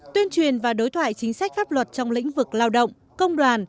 tuyên truyền và đối thoại chính sách pháp luật trong lĩnh vực lao động công đoàn